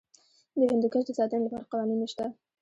د هندوکش د ساتنې لپاره قوانین شته.